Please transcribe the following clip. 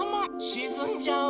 しずんじゃう。